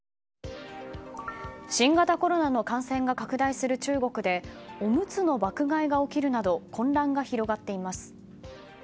新型コロナの感染が拡大する中国でおむつの爆買いが起きるなど混乱が広がっています。